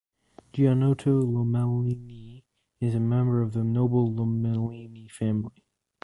Giannotto Lomellini is a member of the noble Lomellini family.